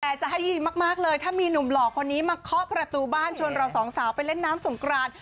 แต่จะให้ดีมากเลยถ้ามีหนุ่มหล่อคนนี้มาเคาะประตูบ้านชวนเราสองสาวไปเล่นน้ำสงกราน